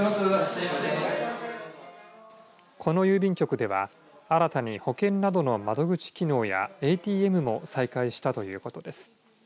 この郵便局では新たに保険などの窓口機能やＡＴＭも再開したということです。